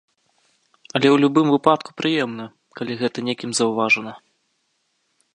Але ў любым выпадку прыемна, калі гэта некім заўважана.